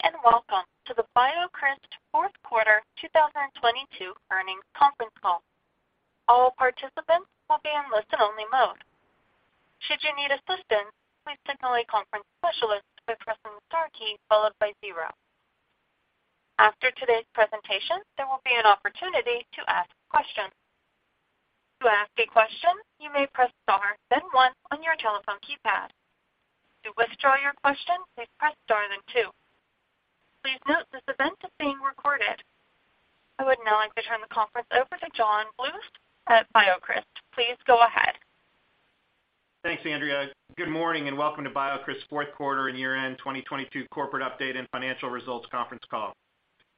Good morning. Welcome to the BioCryst fourth quarter 2022 earnings conference call. All participants will be in listen-only mode. Should you need assistance, please signal a conference specialist by pressing the star key followed by zero. After today's presentation, there will be an opportunity to ask questions. To ask a question, you may press star then one on your telephone keypad. To withdraw your question, please press star then two. Please note this event is being recorded. I would now like to turn the conference over to John Bluth at BioCryst. Please go ahead. Thanks, Andrea. Good morning. Welcome to BioCryst fourth quarter and year-end 2022 corporate update and financial results conference call.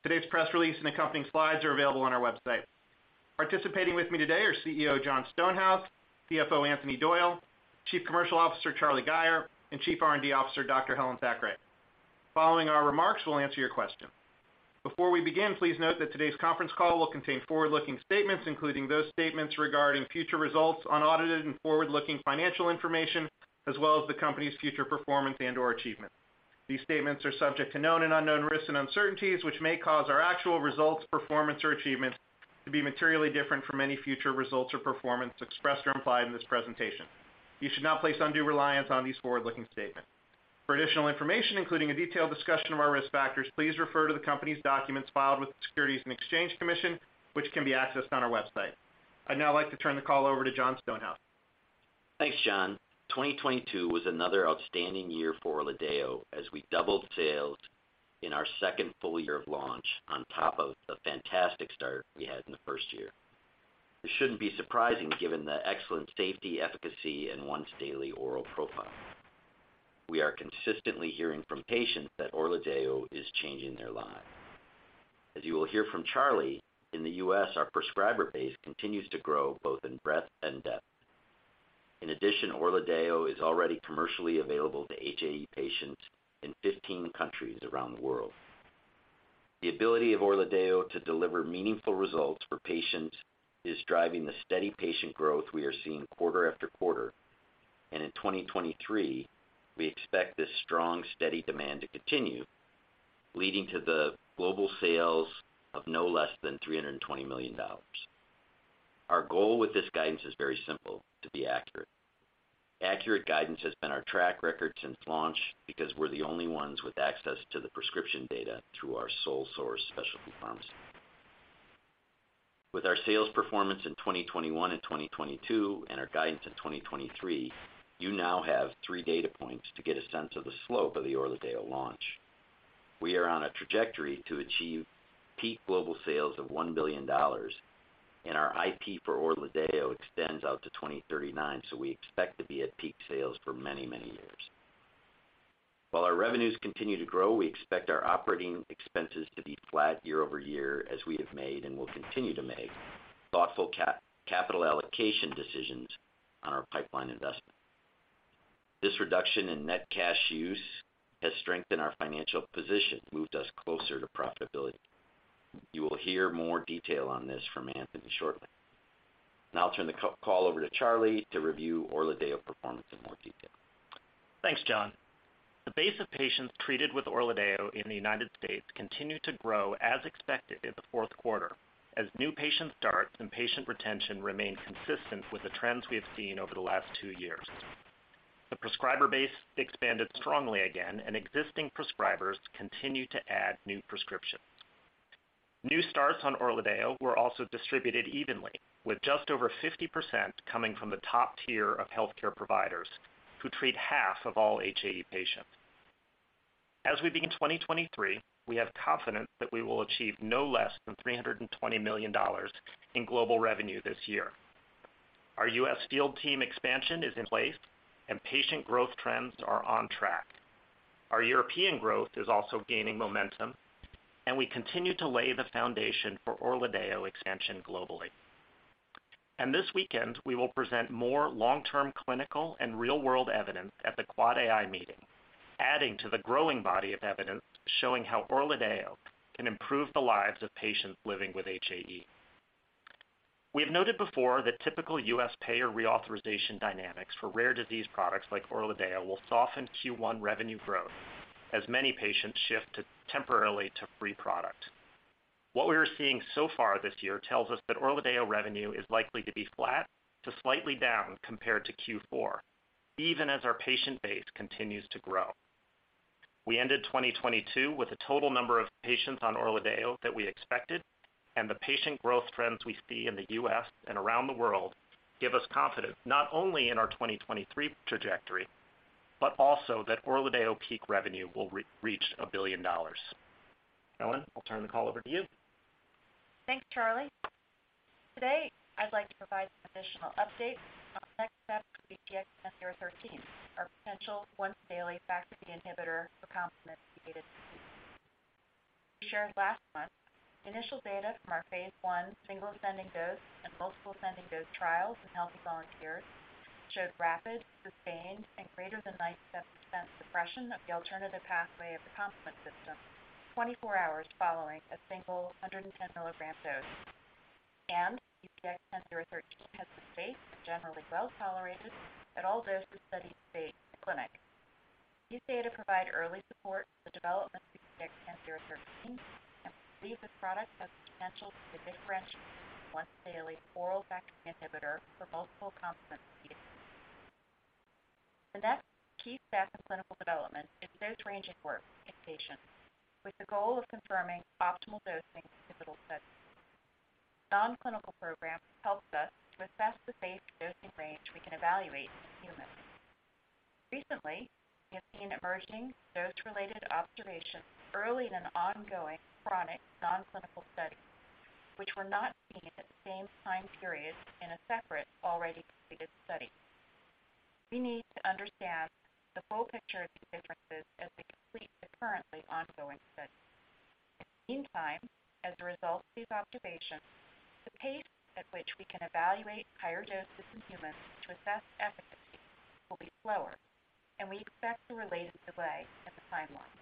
Today's press release and accompanying slides are available on our website. Participating with me today are CEO Jon Stonehouse, CFO Anthony Doyle, Chief Commercial Officer Charlie Gayer, and Chief R&D Officer Dr. Helen Thackray. Following our remarks, we'll answer your question. Before we begin, please note that today's conference call will contain forward-looking statements, including those statements regarding future results, unaudited and forward-looking financial information, as well as the company's future performance and/or achievements. These statements are subject to known and unknown risks and uncertainties, which may cause our actual results, performance, or achievements to be materially different from any future results or performance expressed or implied in this presentation. You should not place undue reliance on these forward-looking statements. For additional information, including a detailed discussion of our risk factors, please refer to the company's documents filed with the Securities and Exchange Commission, which can be accessed on our website. I'd now like to turn the call over to Jon Stonehouse. Thanks, John. 2022 was another outstanding year for ORLADEYO as we doubled sales in our second full year of launch on top of the fantastic start we had in the first year. This shouldn't be surprising given the excellent safety, efficacy, and once-daily oral profile. We are consistently hearing from patients that ORLADEYO is changing their lives. As you will hear from Charlie, in the U.S., our prescriber base continues to grow both in breadth and depth. ORLADEYO is already commercially available to HAE patients in 15 countries around the world. The ability of ORLADEYO to deliver meaningful results for patients is driving the steady patient growth we are seeing quarter after quarter. In 2023, we expect this strong, steady demand to continue, leading to the global sales of no less than $320 million. Our goal with this guidance is very simple, to be accurate. Accurate guidance has been our track record since launch because we're the only ones with access to the prescription data through our sole source specialty pharmacy. With our sales performance in 2021 and 2022 and our guidance in 2023, you now have three data points to get a sense of the slope of the ORLADEYO launch. We are on a trajectory to achieve peak global sales of $1 billion, and our IP for ORLADEYO extends out to 2039, so we expect to be at peak sales for many, many years. While our revenues continue to grow, we expect our operating expenses to be flat year-over-year as we have made and will continue to make thoughtful capital allocation decisions on our pipeline investments. This reduction in net cash use has strengthened our financial position, moved us closer to profitability. You will hear more detail on this from Anthony shortly. Now I'll turn the call over to Charlie to review ORLADEYO performance in more detail. Thanks, John. The base of patients treated with ORLADEYO in the United States continued to grow as expected in the fourth quarter as new patients start and patient retention remained consistent with the trends we have seen over the last two years. The prescriber base expanded strongly again, and existing prescribers continued to add new prescriptions. New starts on ORLADEYO were also distributed evenly, with just over 50% coming from the top tier of healthcare providers who treat half of all HAE patients. As we begin 2023, we have confidence that we will achieve no less than $320 million in global revenue this year. Our U.S. field team expansion is in place and patient growth trends are on track. Our European growth is also gaining momentum, and we continue to lay the foundation for ORLADEYO expansion globally. This weekend, we will present more long-term clinical and real-world evidence at the AAAAI meeting, adding to the growing body of evidence showing how ORLADEYO can improve the lives of patients living with HAE. We have noted before that typical U.S. payer reauthorization dynamics for rare disease products like ORLADEYO will soften Q1 revenue growth as many patients shift temporarily to free product. What we are seeing so far this year tells us that ORLADEYO revenue is likely to be flat to slightly down compared to Q4, even as our patient base continues to grow. We ended 2022 with a total number of patients on ORLADEYO that we expected, and the patient growth trends we see in the U.S. and around the world give us confidence not only in our 2023 trajectory, but also that ORLADEYO peak revenue will reach $1 billion. Helen, I'll turn the call over to you. Thanks, Charlie. Today, I'd like to provide some additional updates on next steps for BCX10013, our potential once-daily Factor B inhibitor for complement-mediated disease. As we shared last month, initial data from our phase I single ascending dose and multiple ascending dose trials in healthy volunteers showed rapid, sustained, and greater than 97% suppression of the alternative pathway of the complement system 24 hours following a single 110 mg dose. BCX10013 has been safe and generally well tolerated at all doses studied to date in clinic. These data provide early support for the development of BCX10013 and we believe the product has the potential to be a differentiated once daily oral factor inhibitor for multiple complement indications. The next key step in clinical development is dose ranging work in patients with the goal of confirming optimal dosing for pivotal studies. Nonclinical program helps us to assess the safe dosing range we can evaluate in humans. Recently, we have seen emerging dose-related observations early in an ongoing chronic nonclinical study, which were not seen at the same time period in a separate already completed study. We need to understand the full picture of these differences as we complete the currently ongoing study. In the meantime, as a result of these observations, the pace at which we can evaluate higher doses in humans to assess efficacy will be slower, and we expect a related delay in the timeline.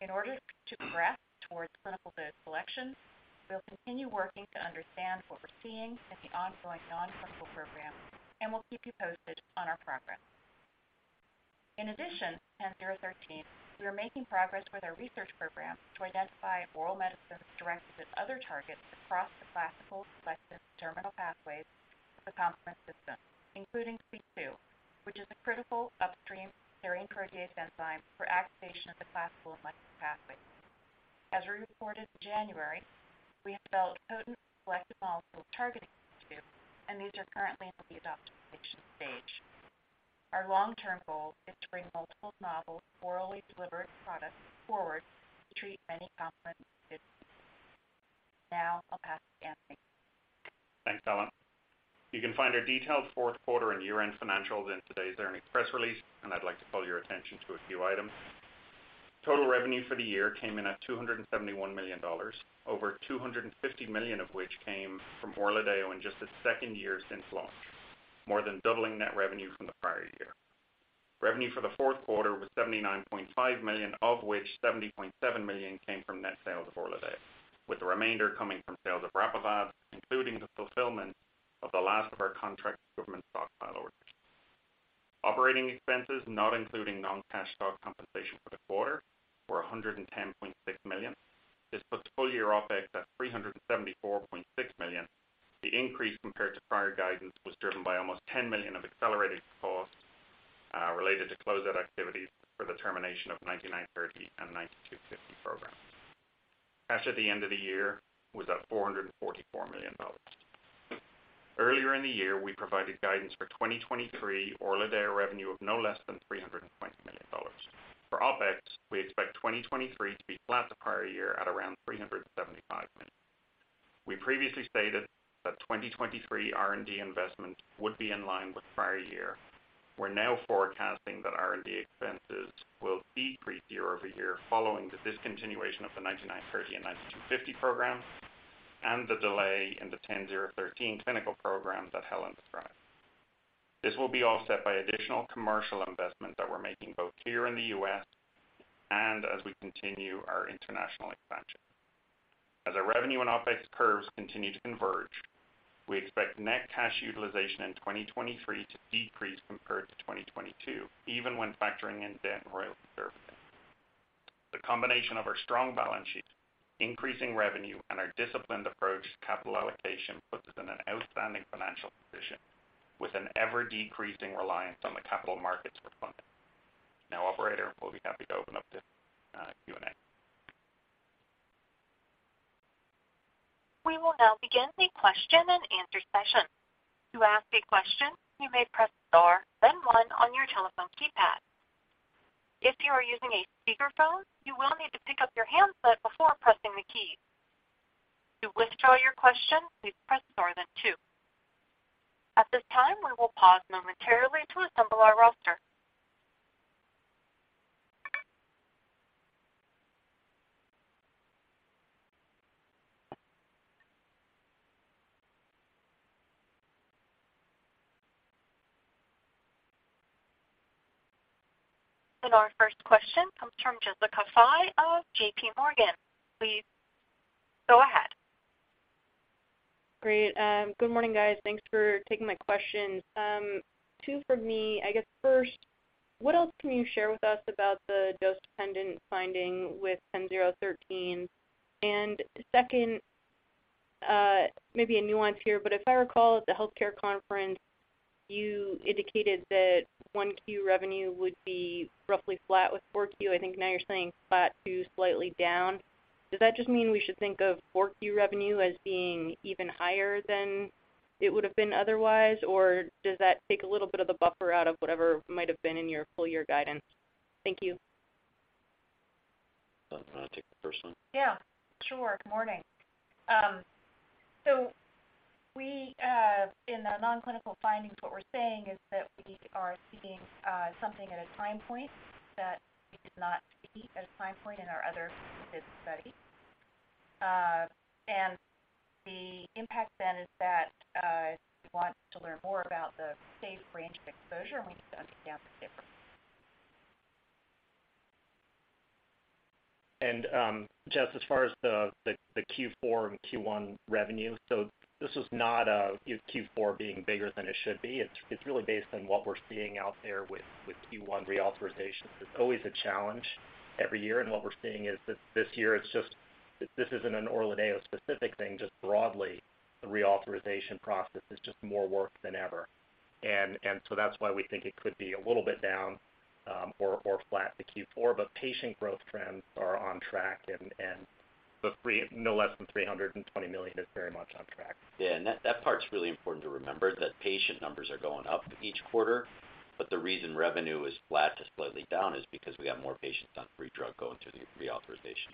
In order to progress towards clinical dose selection, we'll continue working to understand what we're seeing in the ongoing nonclinical program, and we'll keep you posted on our progress. In addition to BCX10013, we are making progress with our research program to identify oral medicines directed at other targets across the classical, selective, and terminal pathways of the complement system, including C2, which is a critical upstream serine protease enzyme for activation of the classical and selective pathways. As we reported in January, we have developed potent selective molecules targeting C2, and these are currently in the lead optimization stage. Our long-term goal is to bring multiple novel orally delivered products forward to treat many complement indications. Now I'll pass it to Anthony. Thanks, Helen. You can find our detailed fourth quarter and year-end financials in today's earnings press release. I'd like to call your attention to a few items. Total revenue for the year came in at $271 million, over $250 million of which came from ORLADEYO in just the second year since launch, more than doubling net revenue from the prior year. Revenue for the fourth quarter was $79.5 million, of which $70.7 million came from net sales of ORLADEYO, with the remainder coming from sales of RAPIVAB, including the fulfillment of the last of our contract with government stockpile orders. Operating expenses, not including non-cash stock compensation for the quarter, were $110.6 million. This puts full-year OpEx at $374.6 million. The increase compared to prior guidance was driven by almost $10 million of accelerated costs related to closeout activities for the termination of the BCX9930 and BCX9250 programs. Cash at the end of the year was at $444 million. Earlier in the year, we provided guidance for 2023 ORLADEYO revenue of no less than $320 million. For OpEx, we expect 2023 to be flat to prior year at around $375 million. We previously stated that 2023 R&D investment would be in line with prior year. We're now forecasting that R&D expenses will decrease year-over-year following the discontinuation of the BCX9930 and BCX9250 programs and the delay in the BCX10013 clinical program that Helen described. This will be offset by additional commercial investments that we're making both here in the U.S. and as we continue our international expansion. As our revenue and OpEx curves continue to converge, we expect net cash utilization in 2023 to decrease compared to 2022, even when factoring in debt and royalty services. The combination of our strong balance sheet, increasing revenue, and our disciplined approach to capital allocation puts us in an outstanding financial position with an ever-decreasing reliance on the capital markets for funding. Operator, we'll be happy to open up to Q&A. We will now begin the question-and-answer session. To ask a question, you may press star then one on your telephone keypad. If you are using a speakerphone, you will need to pick up your handset before pressing the key. To withdraw your question, please press star then two. At this time, we will pause momentarily to assemble our roster. Our first question comes from Jessica Fye of JPMorgan. Please go ahead. Great. Good morning, guys. Thanks for taking my questions. Two for me. I guess first, what else can you share with us about the dose-dependent finding with BCX10013? Second, maybe a nuance here, but if I recall at the health care conference, you indicated that 1Q revenue would be roughly flat with 4Q. I think now you're saying flat to slightly down. Does that just mean we should think of 4Q revenue as being even higher than it would have been otherwise? Or does that take a little bit of the buffer out of whatever might have been in your full year guidance? Thank you. Helen, wanna take the first one? Yeah, sure. Morning. We in the nonclinical findings, what we're saying is that we are seeing something at a time point that we did not see at a time point in our other completed study. The impact is that we want to learn more about the safe range of exposure, and we need to understand the difference. Just as far as the Q4 and Q1 revenue. This is not a Q4 being bigger than it should be. It's really based on what we're seeing out there with Q1 reauthorization. It's always a challenge every year. What we're seeing is that this year, this isn't an ORLADEYO specific thing, just broadly, the reauthorization process is just more work than ever. That's why we think it could be a little bit down or flat to Q4. Patient growth trends are on track and no less than $320 million is very much on track. That part's really important to remember that patient numbers are going up each quarter, but the reason revenue is flat to slightly down is because we have more patients on free drug going through the reauthorization.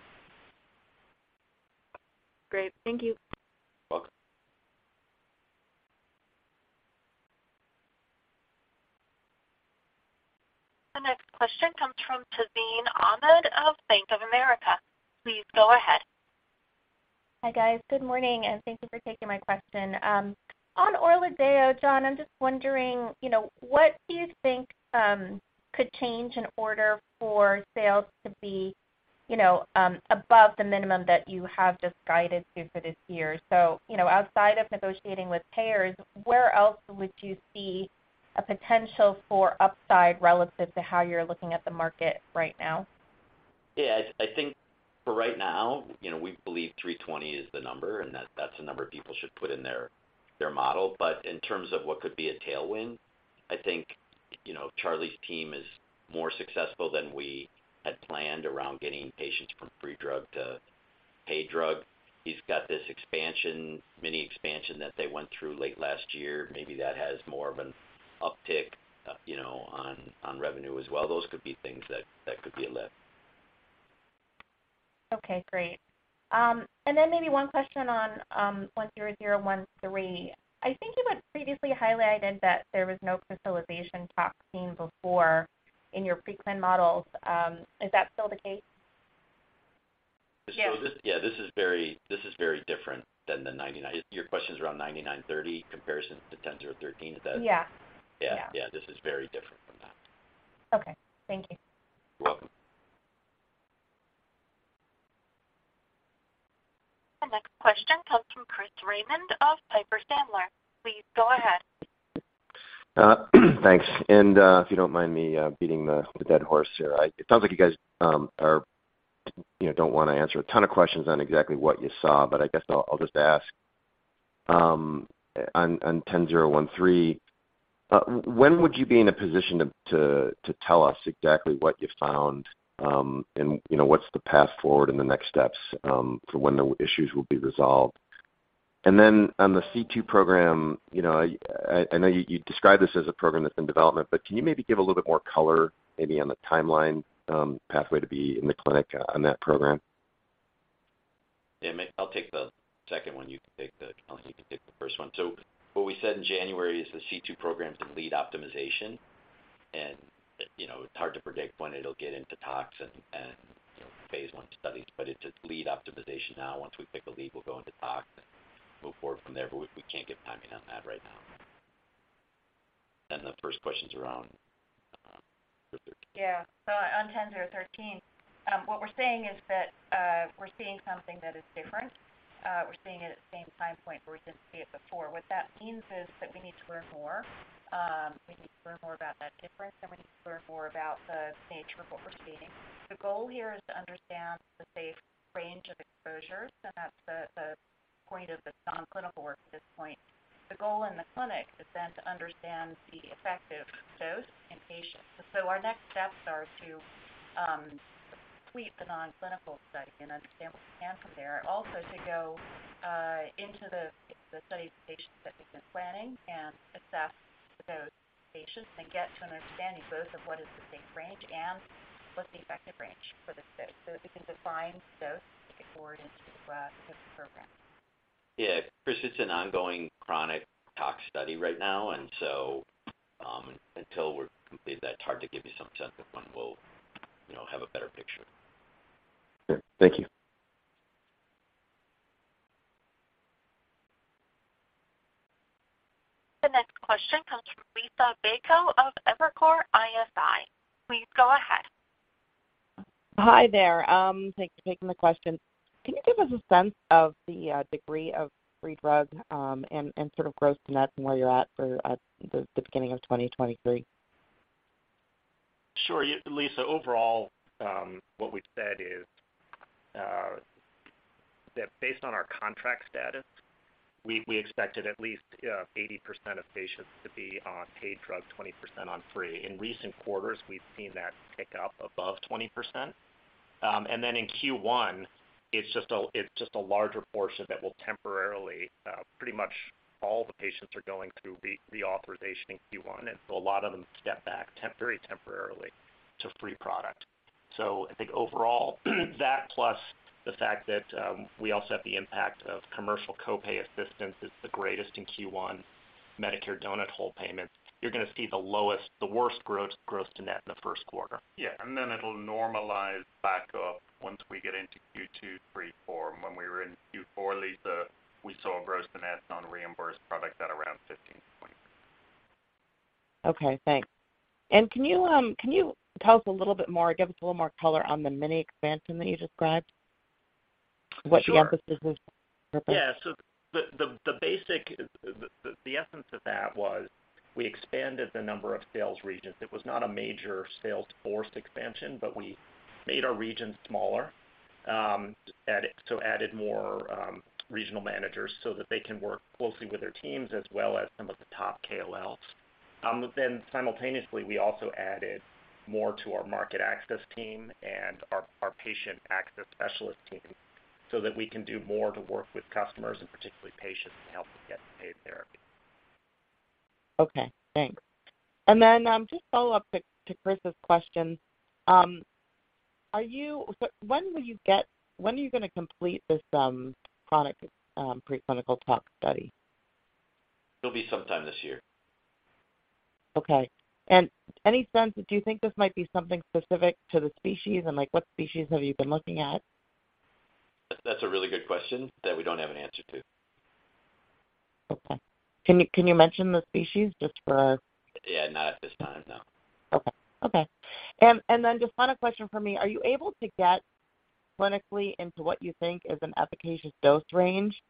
Great. Thank you. Welcome. The next question comes from Tazeen Ahmed of Bank of America. Please go ahead. Hi, guys. Good morning, and thank you for taking my question. on ORLADEYO, Jon, I'm just wondering, you know, what do you think, could change in order for sales to be, you know, above the minimum that you have just guided to for this year? you know, outside of negotiating with payers, where else would you see a potential for upside relative to how you're looking at the market right now? Yeah, I think for right now, you know, we believe $320 is the number, and that's the number people should put in their model. In terms of what could be a tailwind, I think, you know, Charlie's team is more successful than we had planned around getting patients from free drug to paid drug. He's got this expansion, mini expansion that they went through late last year. Maybe that has more of an uptick, you know, on revenue as well. Those could be things that could be a lift. Okay, great. Then maybe one question on BCX10013. I think you had previously highlighted that there was no crystallization tox seen before in your pre-clin models. Is that still the case? So this is very different than the 99. Your question is around 9930 comparison to 10013. Is that it? Yeah. Yeah. Yeah. This is very different from that. Okay, thank you. You're welcome. The next question comes from Chris Raymond of Piper Sandler. Please go ahead. Thanks. If you don't mind me beating the dead horse here. It sounds like you guys, you know, don't wanna answer a ton of questions on exactly what you saw, but I guess I'll just ask. On 10013, when would you be in a position to tell us exactly what you found, and, you know, what's the path forward and the next steps for when the issues will be resolved? On the C2 program, you know, I know you described this as a program that's in development, but can you maybe give a little bit more color maybe on the timeline, pathway to be in the clinic on that program? I'll take the second. Helen, you can take the first. What we said in January is the C2 program is in lead optimization. You know, it's hard to predict when it'll get into tox and, you know, phase I studies, but it's at lead optimization now. Once we pick a lead, we'll go into tox and move forward from there. We can't give timing on that right now. The first question's around 10013. Yeah. On 10013, what we're saying is that we're seeing something that is different. We're seeing it at the same time point where we didn't see it before. What that means is that we need to learn more. We need to learn more about that difference, and we need to learn more about the nature of what we're seeing. The goal here is to understand the safe range of exposures, and that's the point of the non-clinical work at this point. The goal in the clinic is then to understand the effective dose in patients. Our next steps are to complete the non-clinical study and understand what we can from there. Also, to go into the study patients that we've been planning and assess those patients and get to an understanding both of what is the safe range and what's the effective range for this dose, so that we can define dose to take it forward into the program. Yeah. Chris, it's an ongoing chronic toxicity study right now, and so, until we're complete that, it's hard to give you some sense of when we'll, you know, have a better picture. Sure. Thank you. The next question comes from Liisa Bayko of Evercore ISI. Please go ahead. Hi there. Thanks for taking the question. Can you give us a sense of the degree of free drug, and sort of gross to net and where you're at for the beginning of 2023? Sure. Liisa, overall, what we've said is that based on our contract status, we expected at least 80% of patients to be on paid drug, 20% on free. In recent quarters, we've seen that tick up above 20%. In Q1, it's just a larger portion that will temporarily, pretty much all the patients are going through reauthorization in Q1, and so a lot of them step back very temporarily to free product. I think overall, that plus the fact that we also have the impact of commercial co-pay assistance is the greatest in Q1 Medicare donut hole payments. You're gonna see the lowest, the worst gross to net in the first quarter. Yeah. Then it'll normalize back up once we get into Q2, three, four. When we were in Q4, Liisa, we saw gross to net non-reimbursed product at around 15%-20%. Okay, thanks. Can you tell us a little bit more, give us a little more color on the mini expansion that you described? Sure. What the emphasis was? Yeah. The, the basic, the, the essence of that was we expanded the number of sales regions. It was not a major sales force expansion, but we made our regions smaller, added more regional managers so that they can work closely with their teams as well as some of the top KOLs. Simultaneously, we also added more to our market access team and our patient access specialist team so that we can do more to work with customers and particularly patients to help them get paid therapy. Okay, thanks. Then, just a follow-up to Chris' question. When are you gonna complete this product preclinical toxicity study? It'll be sometime this year. Okay. Any sense, do you think this might be something specific to the species? Like, what species have you been looking at? That's a really good question that we don't have an answer to. Okay. Can you mention the species just for-? Yeah, not at this time, no. Okay. Okay. Then just one question from me. Are you able to get clinically into what you think is an efficacious dose range?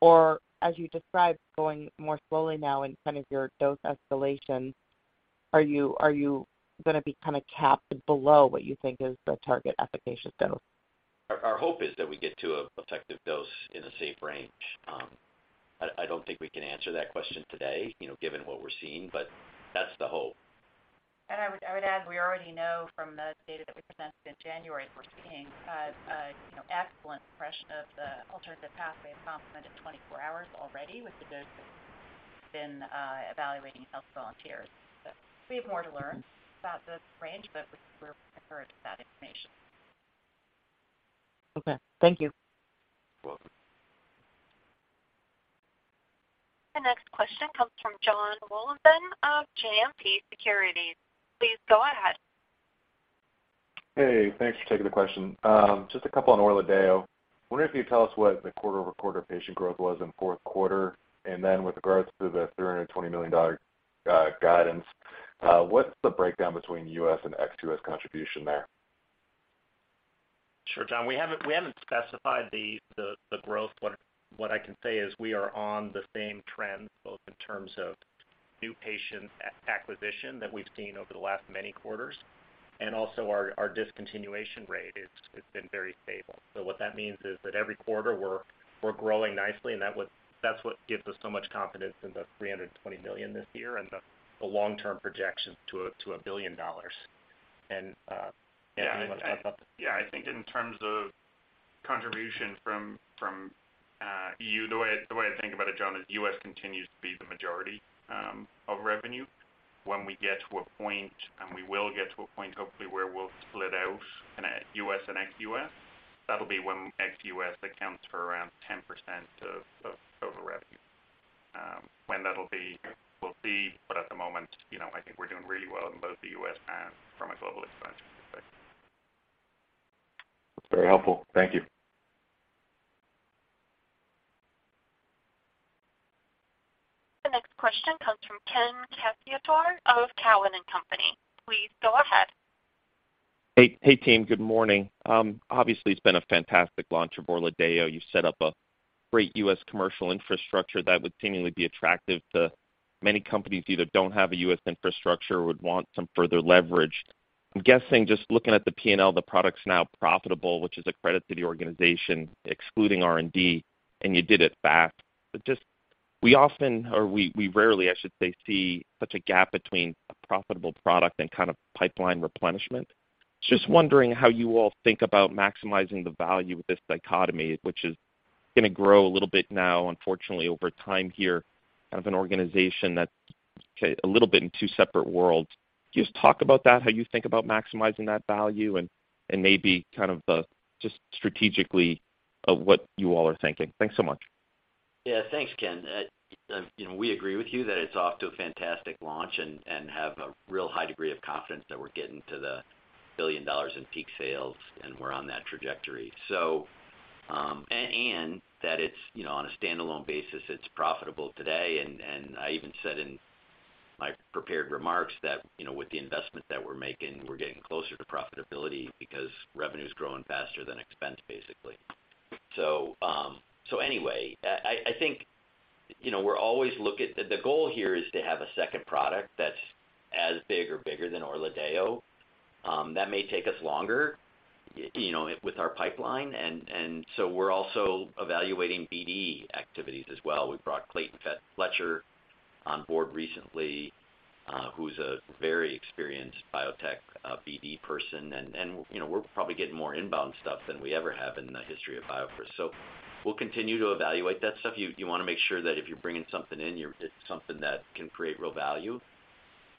Or as you described, going more slowly now in kind of your dose escalation, are you gonna be kind of capped below what you think is the target efficacious dose? Our hope is that we get to a effective dose in a safe range. I don't think we can answer that question today, you know, given what we're seeing, but that's the hope. I would add, we already know from the data that we presented in January, we're seeing, you know, excellent suppression of the alternative pathway complement at 24 hours already with the dose that we've been evaluating in healthy volunteers. We have more to learn about the range, but we're encouraged with that information. Okay, thank you. Welcome. The next question comes from Jon Wolleben of JMP Securities. Please go ahead. Hey, thanks for taking the question. Just a couple on ORLADEYO. Wondering if you could tell us what the quarter-over-quarter patient growth was in fourth quarter, and then with regards to the $320 million guidance, what's the breakdown between U.S. and ex-U.S. contribution there? Sure, John. We haven't specified the growth. What I can say is we are on the same trends, both in terms of new patient acquisition that we've seen over the last many quarters. Also our discontinuation rate, it's been very stable. What that means is that every quarter we're growing nicely, and that's what gives us so much confidence in the $320 million this year and the long-term projection to $1 billion. Anthony, do you wanna add something? Yeah, I think in terms of contribution from E.U., the way I think about it, Jon, is U.S. continues to be the majority of revenue. When we get to a point, and we will get to a point, hopefully, where we'll split out in a U.S. and ex-U.S., that'll be when ex-U.S. accounts for around 10% of total revenue. When that'll be, we'll see, but at the moment, you know, I think we're doing really well in both the U.S. and from a global expansion perspective. That's very helpful. Thank you. The next question comes from Ken Cacciatore of Cowen and Company. Please go ahead. Hey, hey, team. Good morning. Obviously it's been a fantastic launch of ORLADEYO. You set up a great U.S. commercial infrastructure that would seemingly be attractive to many companies who either don't have a U.S. infrastructure or would want some further leverage. I'm guessing just looking at the P&L, the product's now profitable, which is a credit to the organization excluding R&D, and you did it fast. Just, we often, or we rarely, I should say, see such a gap between a profitable product and kind of pipeline replenishment. Just wondering how you all think about maximizing the value of this dichotomy, which is gonna grow a little bit now, unfortunately, over time here, kind of an organization that's, okay, a little bit in two separate worlds. Can you just talk about that, how you think about maximizing that value and maybe kind of, just strategically, what you all are thinking? Thanks so much. Yeah, thanks, Ken. you know, we agree with you that it's off to a fantastic launch and have a real high degree of confidence that we're getting to the $1 billion in peak sales, and we're on that trajectory. And that it's, you know, on a standalone basis, it's profitable today. And, and I even said in my prepared remarks that, you know, with the investment that we're making, we're getting closer to profitability because revenue's growing faster than expense, basically. Anyway, I think, you know, the goal here is to have a second product that's as big or bigger than ORLADEYO. That may take us longer, you know, with our pipeline. And so we're also evaluating business development activities as well. We brought Clayton Fletcher on board recently, who's a very experienced biotech business development person. You know, we're probably getting more inbound stuff than we ever have in the history of BioCryst. We'll continue to evaluate that stuff. You wanna make sure that if you're bringing something in, it's something that can create real value.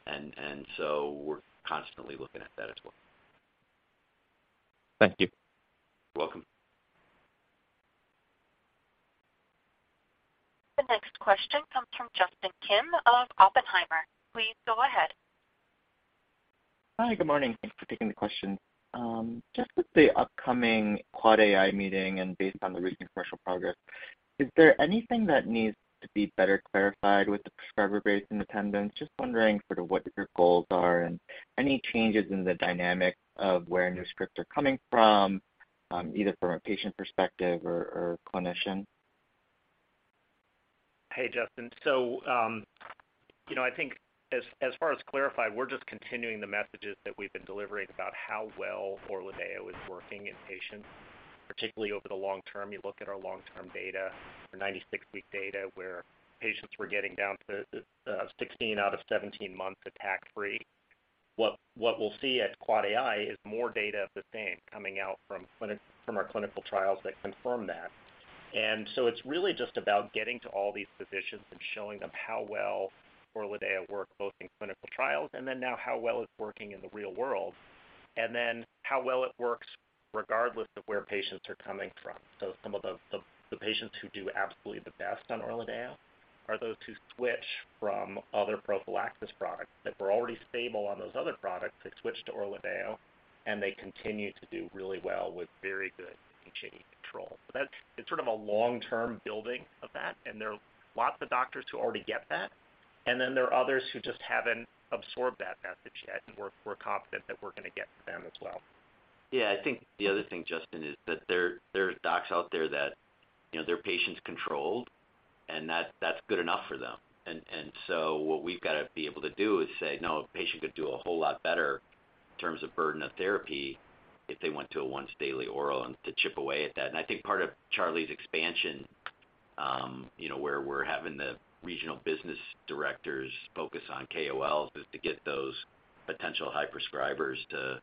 We're constantly looking at that as well. Thank you. Welcome. The next question comes from Justin Kim of Oppenheimer. Please go ahead. Hi, good morning. Thanks for taking the questions. Just with the upcoming AAAAI meeting and based on the recent commercial progress, is there anything that needs to be better clarified with the prescriber base in attendance? Just wondering sort of what your goals are and any changes in the dynamic of where new scripts are coming from, either from a patient perspective or clinician. Justin. You know, I think as far as clarified, we're just continuing the messages that we've been delivering about how well ORLADEYO is working in patients, particularly over the long term. You look at our long-term data, our 96-week data, where patients were getting down to 16 out of 17 months attack free. What we'll see at AAAAI is more data of the same coming out from our clinical trials that confirm that. It's really just about getting to all these physicians and showing them how well ORLADEYO worked, both in clinical trials and then now how well it's working in the real world, and then how well it works regardless of where patients are coming from. Some of the patients who do absolutely the best on ORLADEYO are those who switch from other prophylaxis products that were already stable on those other products that switched to ORLADEYO, and they continue to do really well with very good HAE control. It's sort of a long-term building of that, and there are lots of doctors who already get that. There are others who just haven't absorbed that message yet, and we're confident that we're gonna get to them as well. Yeah. I think the other thing, Justin, is that there are docs out there that, you know, their patients controlled, and that's good enough for them. So what we've gotta be able to do is say, "No, a patient could do a whole lot better in terms of burden of therapy if they went to a once daily oral," and to chip away at that. I think part of Charlie's expansion, you know, where we're having the regional business directors focus on KOLs is to get those potential high prescribers to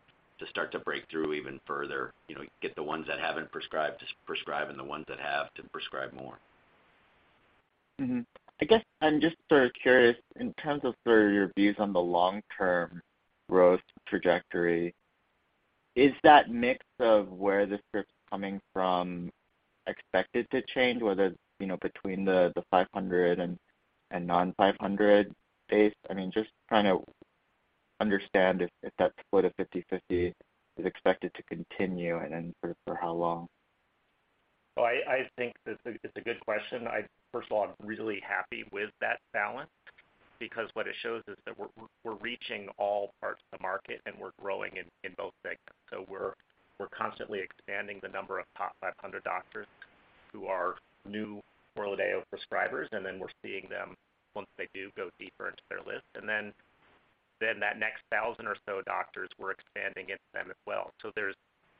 start to break through even further, you know, get the ones that haven't prescribed to prescribe, and the ones that have to prescribe more. Mm-hmm. I guess I'm just sort of curious in terms of sort of your views on the long-term growth trajectory. Is that mix of where the script's coming from expected to change, whether, you know, between the 500 and non-500 base? I mean, just trying to understand if that split of 50/50 is expected to continue and then sort of for how long. I think that it's a good question. First of all, I'm really happy with that balance because what it shows is that we're reaching all parts of the market, and we're growing in both segments. We're constantly expanding the number of top 500 doctors who are new ORLADEYO prescribers, and then we're seeing them once they do go deeper into their list. Then that next 1,000 or so doctors we're expanding into them as well.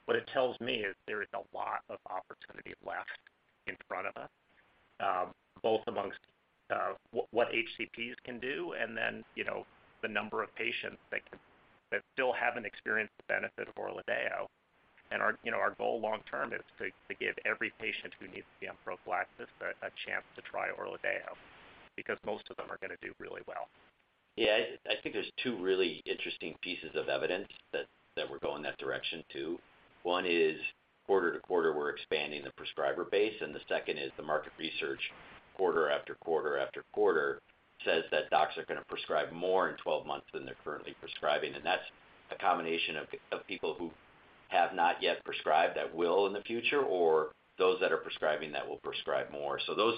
What it tells me is there is a lot of opportunity left in front of us, both amongst what HCPs can do, and then, you know, the number of patients that still haven't experienced the benefit of ORLADEYO. Our, you know, our goal long term is to give every patient who needs HAE prophylaxis a chance to try ORLADEYO because most of them are gonna do really well. I think there's two really interesting pieces of evidence that we're going that direction too. One is quarter to quarter, we're expanding the prescriber base, and the second is the market research quarter after quarter after quarter says that docs are gonna prescribe more in 12 months than they're currently prescribing. That's a combination of people who have not yet prescribed that will in the future or those that are prescribing that will prescribe more. Those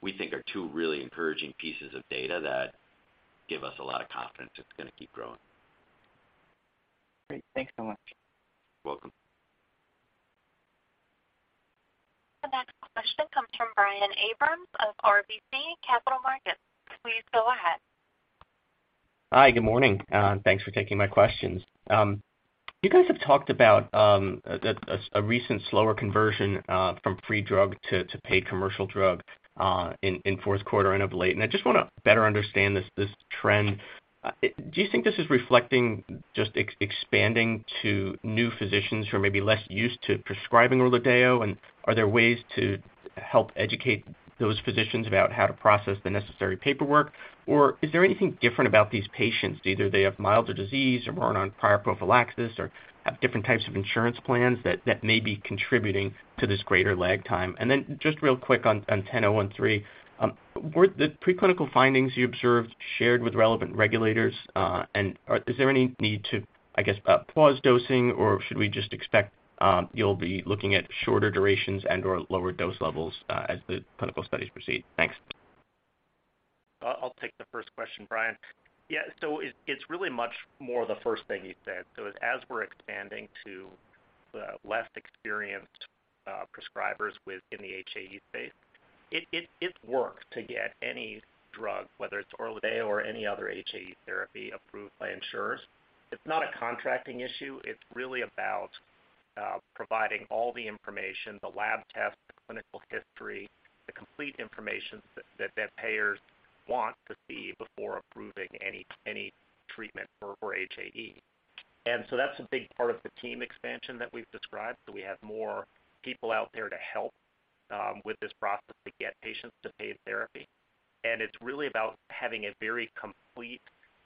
we think are two really encouraging pieces of data that give us a lot of confidence it's gonna keep growing. Great. Thanks so much. Welcome. The next question comes from Brian Abrahams of RBC Capital Markets. Please go ahead. Hi, good morning. Thanks for taking my questions. You guys have talked about a recent slower conversion from free drug to paid commercial drug in fourth quarter and of late. I just wanna better understand this trend. Do you think this is reflecting just expanding to new physicians who are maybe less used to prescribing ORLADEYO, and are there ways to help educate those physicians about how to process the necessary paperwork, or is there anything different about these patients, either they have milder disease or weren't on prior prophylaxis or have different types of insurance plans that may be contributing to this greater lag time? Just real quick on BCX10013, were the preclinical findings you observed shared with relevant regulators, is there any need to, I guess, pause dosing, or should we just expect, you'll be looking at shorter durations and/or lower dose levels, as the clinical studies proceed? Thanks. I'll take the first question, Brian. Yeah. So it works to get any drug, whether it's ORLADEYO or any other HAE therapy approved by insurers. It's not a contracting issue. It's really about providing all the information, the lab tests, the clinical history, the complete information that payers want to see before approving any treatment for HAE. That's a big part of the team expansion that we've described. So we have more people out there to help with this process to get patients to paid therapy. It's really about having a very complete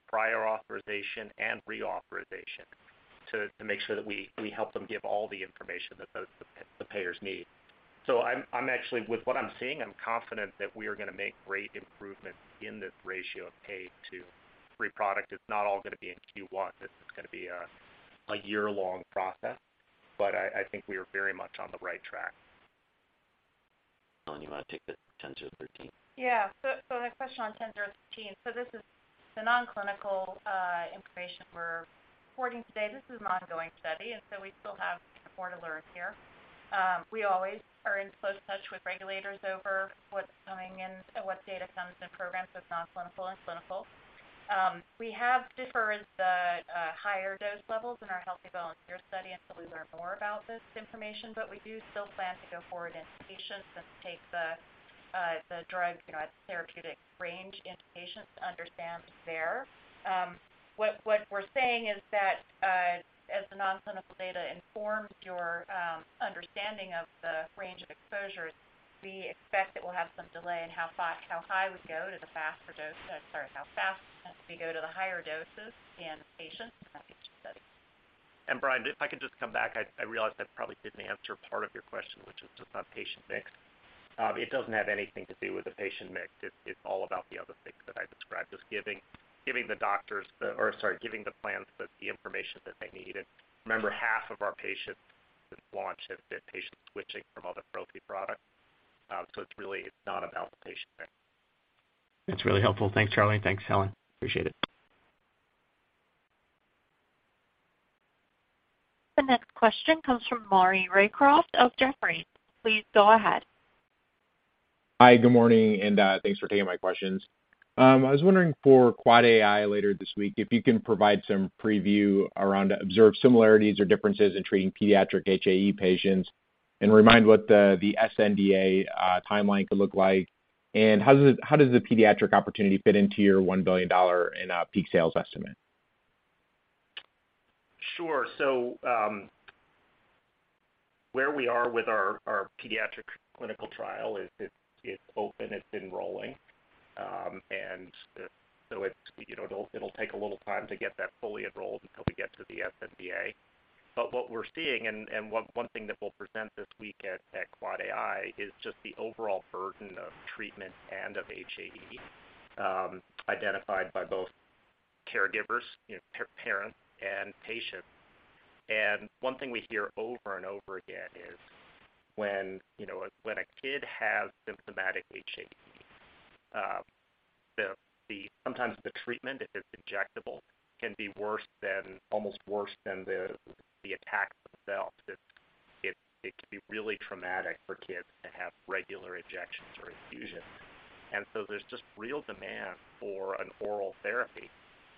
prior authorization and reauthorization to make sure that we help them give all the information that the payers need. I'm With what I'm seeing, I'm confident that we are going to make great improvements in this ratio of paid-to-free product. It's not all going to be in Q1. It's going to be a year-long process. I think we are very much on the right track. Helen, you wanna take the 10013? The question on BCX10013. This is the non-clinical information we're reporting today. This is an ongoing study, we still have more to learn here. We always are in close touch with regulators over what data comes in programs that's non-clinical and clinical. We have deferred the higher dose levels in our healthy volunteer study until we learn more about this information, we do still plan to go forward in patients and take the drug, you know, at therapeutic range into patients to understand there. What we're saying is that as the non-clinical data informs your understanding of the range of exposures, we expect that we'll have some delay in how high we go to the faster dose. Sorry, how fast we go to the higher doses in patients in our future studies. Brian, if I could just come back, I realized I probably didn't answer part of your question, which is just on patient mix. It doesn't have anything to do with the patient mix. It's all about the other things that I described. Just giving the plans the information that they need. Remember, half of our patients since launch have been patients switching from other prophylaxis products. So it's really not about the patient mix. That's really helpful. Thanks, Charlie, and thanks, Helen. Appreciate it. The next question comes from Maury Raycroft of Jefferies. Please go ahead. Hi, good morning, and thanks for taking my questions. I was wondering for AAAAI later this week, if you can provide some preview around observed similarities or differences in treating pediatric HAE patients, and remind what the sNDA timeline could look like. How does the pediatric opportunity fit into your $1 billion in peak sales estimate? Sure. Where we are with our pediatric clinical trial is it's open, it's enrolling. It's, you know, it'll take a little time to get that fully enrolled until we get to the sNDA. What we're seeing and one thing that we'll present this week at AAAAI is just the overall burden of treatment and of HAE, identified by both caregivers, you know, parents and patients. One thing we hear over and over again is when, you know, when a kid has symptomatic HAE, sometimes the treatment, if it's injectable, can be worse than, almost worse than the attack itself. It can be really traumatic for kids to have regular injections or infusions. There's just real demand for an oral therapy,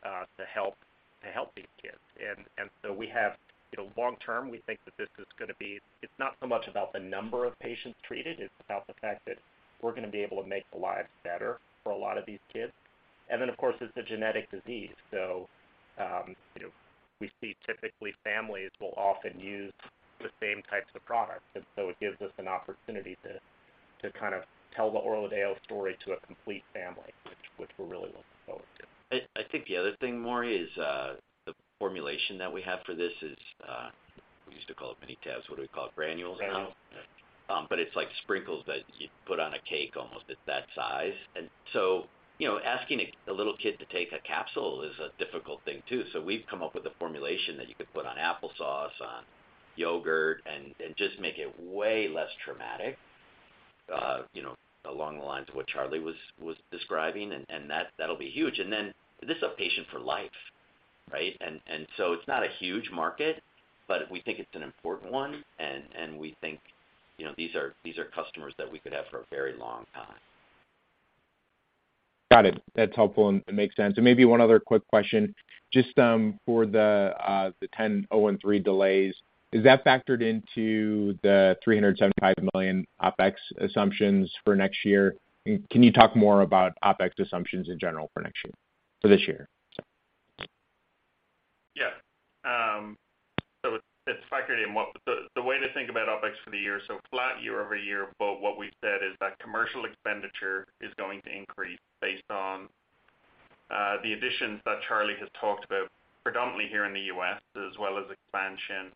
to help, to help these kids. We have, you know, long term, we think that this is gonna be, it's not so much about the number of patients treated, it's about the fact that we're gonna be able to make lives better for a lot of these kids. Of course, it's a genetic disease. You know, we see typically families will often use the same types of products. It gives us an opportunity to kind of tell the ORLADEYO story to a complete family, which we're really looking forward to. I think the other thing, Maury, is the formulation that we have for this is, we used to call it mini-tabs. What do we call it? Granules now? Granules. Yeah. It's like sprinkles that you put on a cake almost at that size. You know, asking a little kid to take a capsule is a difficult thing too. We've come up with a formulation that you could put on applesauce, on yogurt, and just make it way less traumatic, you know, along the lines of what Charlie was describing, and that'll be huge. This is a patient for life, right? It's not a huge market, but we think it's an important one. You know, these are customers that we could have for a very long time. Got it. That's helpful, and it makes sense. maybe one other quick question. Just, for the 10013 delays, is that factored into the $375 million OpEx assumptions for next year? can you talk more about OpEx assumptions in general for next year, for this year, sorry? Yeah. It's factored in the way to think about OpEx for the year, so flat year-over-year. What we've said is that commercial expenditure is going to increase based on the additions that Charlie has talked about, predominantly here in the U.S., as well as expansion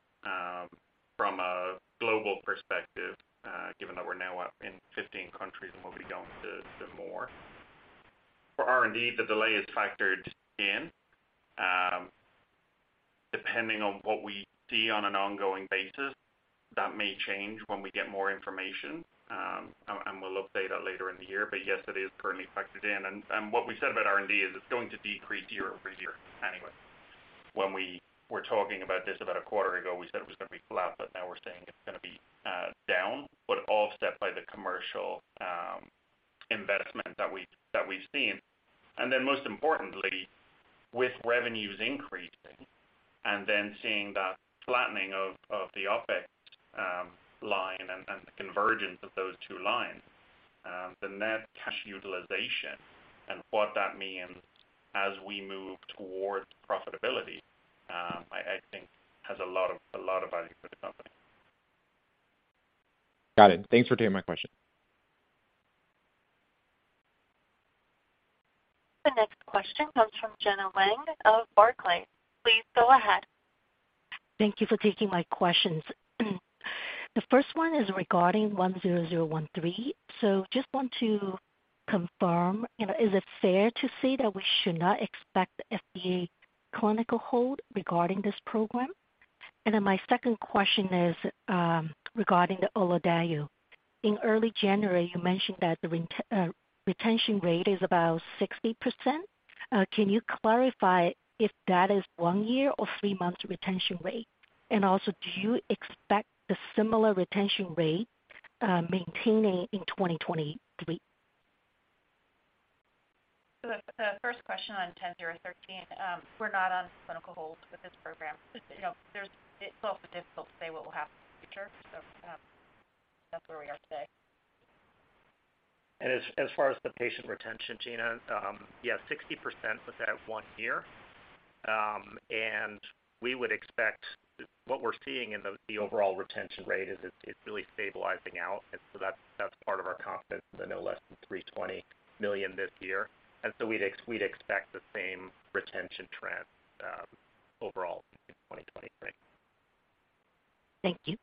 from a global perspective, given that we're now up in 15 countries and we'll be going to more. For R&D, the delay is factored in. Depending on what we see on an ongoing basis, that may change when we get more information, and we'll update that later in the year. Yes, it is currently factored in. What we said about R&D is it's going to decrease year-over-year anyway. When we were talking about this about a quarter ago, we said it was gonna be flat. Now we're saying it's gonna be down, offset by the commercial investment that we've seen. Most importantly, with revenues increasing and seeing that flattening of the OpEx line and the convergence of those two lines, the net cash utilization and what that means as we move towards profitability, I think has a lot of value for the company. Got it. Thanks for taking my question. The next question comes from Gena Wang of Barclays. Please go ahead. Thank you for taking my questions. The first one is regarding BCX10013. Just want to confirm, you know, is it fair to say that we should not expect FDA clinical hold regarding this program? My second question is regarding ORLADEYO. In early January, you mentioned that the retention rate is about 60%. Can you clarify if that is one year or three months retention rate? Do you expect a similar retention rate maintaining in 2023? The first question on BCX10013, we're not on clinical hold with this program. You know, it's also difficult to say what will happen in the future. That's where we are today. As far as the patient retention, Gena, yeah, 60% was at one year. We would expect what we're seeing in the overall retention rate is it's really stabilizing out. That's part of our confidence in the no less than $320 million this year. We'd expect the same retention trend overall in 2023. Thank you.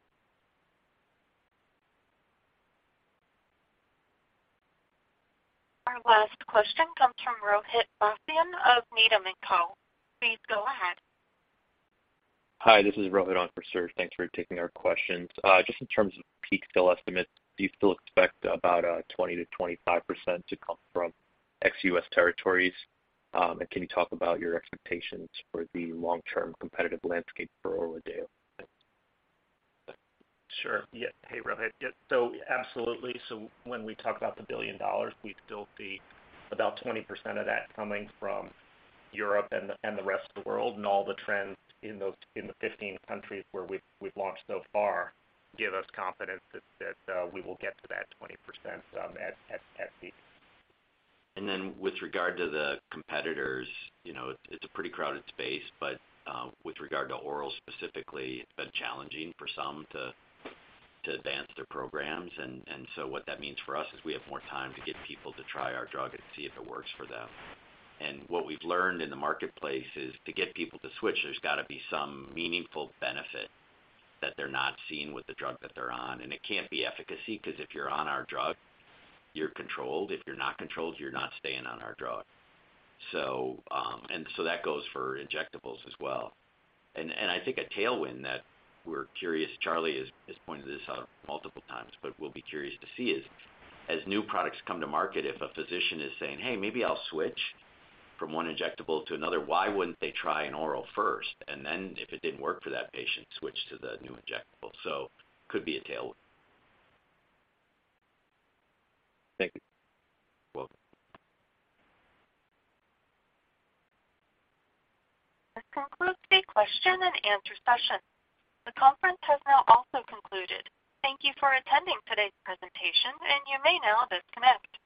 Our last question comes from Rohit Bhasin of Needham Co. Please go ahead. Hi, this is Rohit on for Serge. Thanks for taking our questions. Just in terms of peak sale estimates, do you still expect about 20%-25% to come from ex-U.S. territories? Can you talk about your expectations for the long-term competitive landscape for ORLADEYO? Sure. Hey, Rohit. Absolutely. When we talk about the billion dollars, we still see about 20% of that coming from Europe and the rest of the world. All the trends in the 15 countries where we've launched so far give us confidence that we will get to that 20% at peak. With regard to the competitors, you know, it's a pretty crowded space, but with regard to oral specifically, it's been challenging for some to advance their programs. What that means for us is we have more time to get people to try our drug and see if it works for them. What we've learned in the marketplace is to get people to switch, there's got to be some meaningful benefit that they're not seeing with the drug that they're on. It can't be efficacy, 'cause if you're on our drug, you're controlled. If you're not controlled, you're not staying on our drug. That goes for injectables as well. I think a tailwind that we're curious, Charlie has pointed this out multiple times, but we'll be curious to see is, as new products come to market, if a physician is saying, "Hey, maybe I'll switch from one injectable to another," why wouldn't they try an oral first, and then if it didn't work for that patient, switch to the new injectable? Could be a tailwind. Thank you. Welcome. This concludes the question and answer session. The conference has now also concluded. Thank you for attending today's presentation, and you may now disconnect.